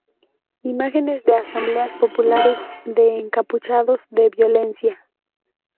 Imágenes de asambleas populares, de encapuchados, de violencia.